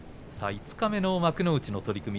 五日目の幕内の取組